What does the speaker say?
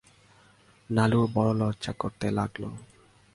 নীলুর বড় লজ্জা করতে লাগল।